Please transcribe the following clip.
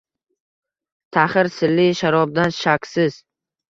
Taxir, sirli sharobdan shaksiz